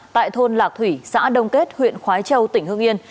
tại thôn lạc thủy xã đông kết huyện khói châu tỉnh hương yên